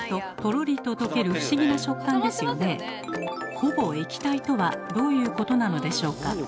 ほぼ液体とはどういうことなのでしょうか？